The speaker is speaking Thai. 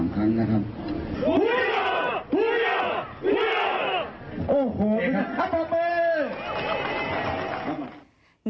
โอ้โหพี่นัทขอบคุณมือ